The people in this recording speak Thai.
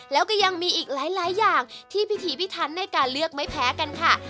แล้วก็ยังมีอีกหลายอย่างที่พิธีพิทันในการเลือกไม่แพ้กันค่ะ